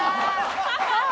ハハハハ！